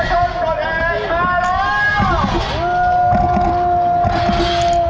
ชุดปลดแอดมาแล้ว